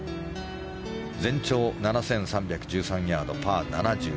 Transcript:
全長７３１３ヤードパー７２。